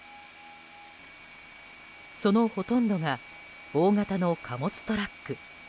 そのほとんどが大型の貨物トラック。